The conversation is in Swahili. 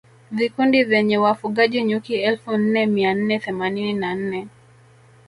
Vikundi vyenye wafugaji nyuki elfu nne mia nne themanini na nne